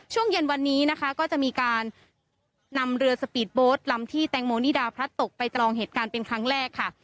ช่วงเย็นวันนี้นะคะก็จะมีการนำเรือสปีดโบสต์ลำที่แตงโมนิดาพลัดตกไปจำลองเหตุการณ์เป็นครั้งแรกค่ะ